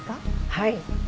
はい。